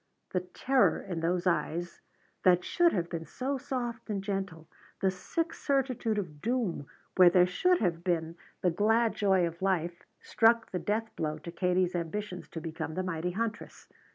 The terror in those eyes that should have been so soft and gentle, the sick certitude of doom where there should have been the glad joy of life struck the death blow to Katie's ambitions to become the mighty huntress.